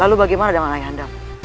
lalu bagaimana dengan ayah anda